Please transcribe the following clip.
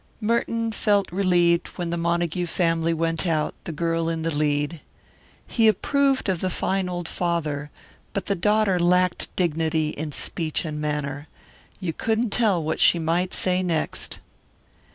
Merton felt relieved when the Montague family went out, the girl in the lead. He approved of the fine old father, but the daughter lacked dignity in speech and manner. You couldn't tell what she might say next.